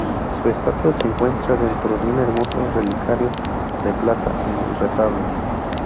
Su estatua se encuentra dentro de un hermoso relicario de plata en el retablo.